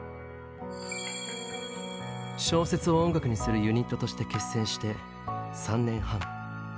「小説を音楽にするユニット」として結成して３年半。